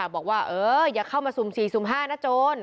บอกว่าอย่าเข้ามาสุ่ม๔สุ่ม๕นะโจร